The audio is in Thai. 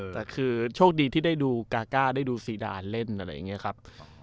แต่คือโชคดีที่ได้ดูกาก้าได้ดูซีดานเล่นอะไรอย่างนี้ครับ